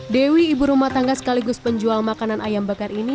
dewi ibu rumah tangga sekaligus penjual makanan ayam bakar ini